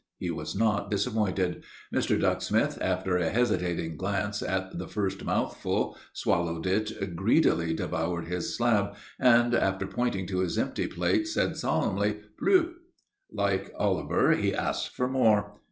He was not disappointed. Mr. Ducksmith, after a hesitating glance at the first mouthful, swallowed it, greedily devoured his slab, and, after pointing to his empty plate, said, solemnly: "Plou." Like Oliver, he asked for more.